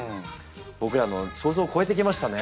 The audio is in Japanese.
僕らの想像を超えてきましたね。